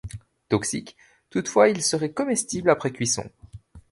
Toxique, toutefois il serait comestible après cuisson.